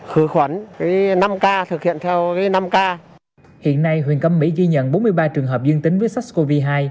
hiện nay huyện cẩm mỹ ghi nhận bốn mươi ba trường hợp dương tính với sars cov hai